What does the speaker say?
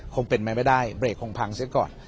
คงเป็นไม่ได้เบรกคงพังเสร็จก่อน